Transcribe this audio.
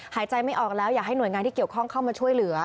หายใจไม่ออกแล้วอยากให้หน่วยงานที่เกี่ยวข้องเข้ามาช่วยเหลือ